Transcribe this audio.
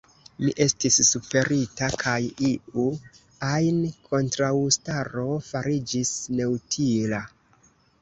Mi estis superita, kaj iu ajn kontraŭstaro fariĝis neutila.